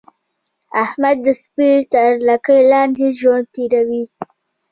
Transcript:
احمد د سپي تر لګۍ لاندې ژوند تېروي.